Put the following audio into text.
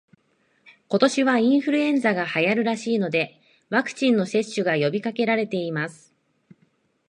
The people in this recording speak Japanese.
今年はインフルエンザが流行るらしいので、ワクチンの接種が呼びかけられています